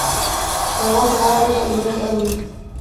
سکروټو واوریده، ایره یې اوري